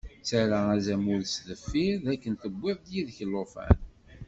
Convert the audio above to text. Ttarra azamul s deffir, dakken tewwiḍ-d yid-k llufan.